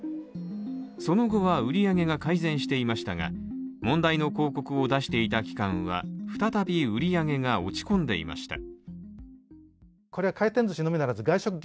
その後は売り上げが改善していましたが、問題の広告を出していた期間は再び売り上げが落ち込んでいました。